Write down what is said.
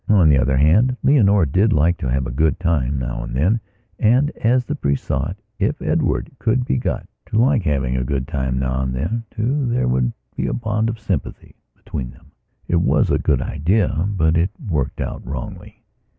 On the other hand, Leonora did like to have a good time, now and then, and, as the priest saw it, if Edward could be got to like having a good time now and then, too, there would be a bond of sympathy between them. It was a good idea, but it worked out wrongly.